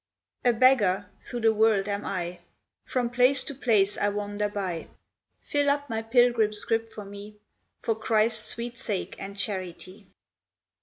A beggar, through the world am I, From place to place I wander by. Fill up my pilgrim's scrip for me, For Christ's sweet sake and charity!